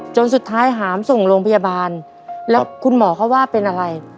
จนสุดท้ายหามส่งโรงพยาบาลแล้วคุณหมอเขาว่าเป็นอะไร